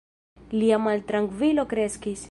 Lia maltrankvilo kreskis.